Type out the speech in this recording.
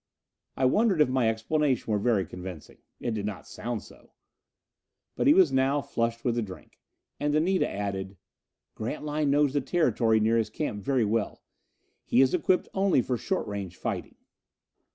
I wondered if my explanation were very convincing. It did not sound so. But he was flushed now with the drink. And Anita added: "Grantline knows the territory near his camp very well. He is equipped only for short range fighting."